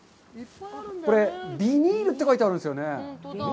これビニールって書いてあるんですよね。